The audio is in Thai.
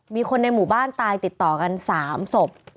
มีคนในหมู่บ้านตายติดต่อกัน๓ศพ